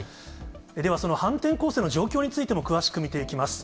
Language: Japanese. では、その反転攻勢の状況についても、詳しく見ていきます。